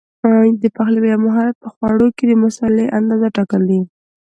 د پخلي یو مهارت په خوړو کې د مسالې اندازه ټاکل دي.